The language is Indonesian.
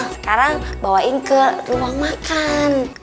sekarang bawain ke ruang makan